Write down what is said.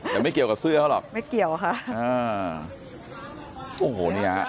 แต่ไม่เกี่ยวกับเสื้อเขาหรอกไม่เกี่ยวค่ะอ่าโอ้โหนี่ฮะ